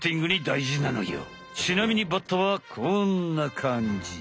ちなみにバッタはこんな感じ。